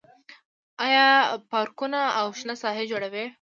آیا پارکونه او شنه ساحې جوړوي؟